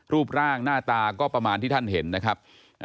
รูปร่างหน้าตาก็ประมาณที่ท่านเห็นนะครับ